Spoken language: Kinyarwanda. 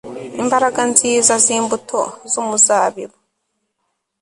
imbaraga nziza zimbuto z'umuzabibi